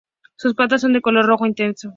Su patas son de color rojo intenso.